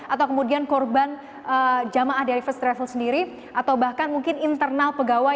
atau kemudian korban jamaah dari first travel sendiri atau bahkan mungkin internal pegawai